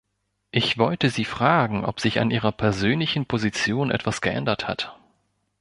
Ich wollte Sie fragen, ob sich an Ihrer persönlichen Position etwas geändert hat.